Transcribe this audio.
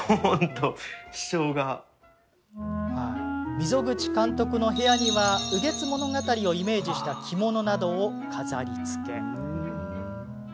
溝口監督の部屋には「雨月物語」をイメージした着物などを飾りつけ。